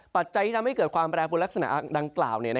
ปัจจัยที่ทำให้เกิดความแปรปนลักษณะดังกล่าว